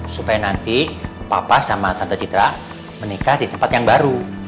supaya nanti papa sama tante citra menikah di tempat yang baru